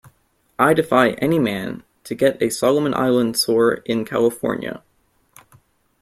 I defy any man to get a Solomon Island sore in California.